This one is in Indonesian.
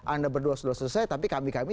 anda berdua sudah selesai tapi kami kami